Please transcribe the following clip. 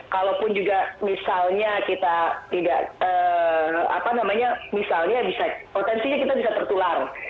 kalaupun juga misalnya kita tidak apa namanya misalnya bisa potensinya kita bisa tertular